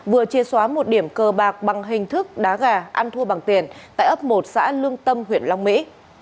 vừa chia xóa một điểm cờ bạc bằng hình thức đá gà ăn thua bằng tiền tại ấp một xã lương tâm huyện long mỹ